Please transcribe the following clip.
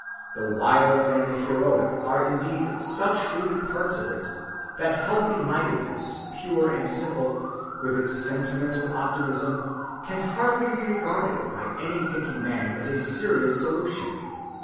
The wild and the heroic are indeed such rooted parts of it that healthy‐mindedness pure and simple, with its sentimental optimism, can hardly be regarded by any thinking man as a serious solution.